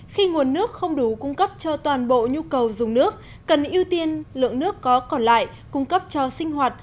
khi nguồn nước không đủ cung cấp cho toàn bộ nhu cầu dùng nước cần ưu tiên lượng nước có còn lại cung cấp cho sinh hoạt